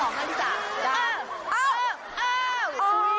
อ้าว